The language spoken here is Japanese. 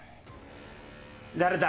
誰だ？